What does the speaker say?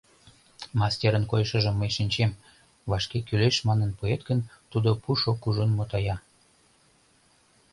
Мастерын койышыжым мый шинчем, вашке кӱлеш манын пуэт гын, тудо пушо кужун мутая.